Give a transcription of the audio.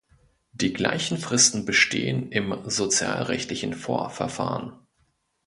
Die gleichen Fristen bestehen im sozialrechtlichen Vorverfahren.